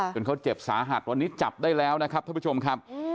จนเขาเจ็บสาหัสวันนี้จับได้แล้วนะครับท่านผู้ชมครับ